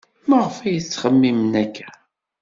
Maɣef ay ttxemmimen akka?